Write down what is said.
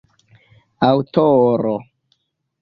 aŭtoro